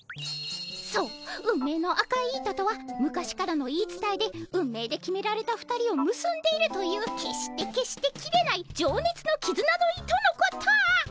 そう運命の赤い糸とは昔からの言い伝えで運命で決められた２人をむすんでいるという決して決して切れないじょうねつのきずなの糸のこと！